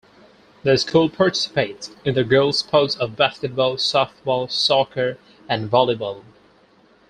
The school participates in the girls sports of basketball, softball, soccer, and volleyball.